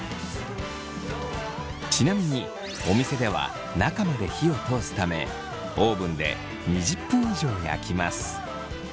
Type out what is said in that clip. ちなみにお店では中まで火を通すためオーブンで２０分以上焼きます。